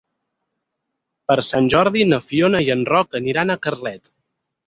Per Sant Jordi na Fiona i en Roc aniran a Carlet.